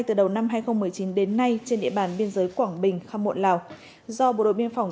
từ đầu năm hai nghìn một mươi chín đến nay trên địa bàn biên giới quảng bình khăm muộn lào do bộ đội biên phòng